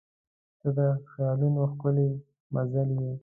• ته د خیالونو ښکلی منزل یې.